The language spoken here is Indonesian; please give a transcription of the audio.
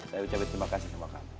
saya ucapkan terima kasih sama kami